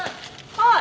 はい。